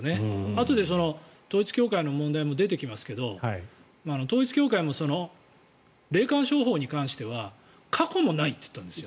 あとで統一教会の問題も出てきますけど統一教会も霊感商法に関しては過去もないと言ったんです。